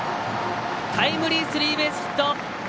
タイムリースリーベースヒット。